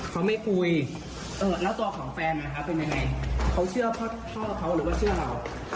เขาไม่คุยแล้วตัวของแฟนเป็นยังไงเขาเชื่อพ่อเขาหรือว่าเชื่อเรา